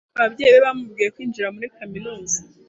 Ababyeyi be bamubwiye kwinjira muri kaminuza.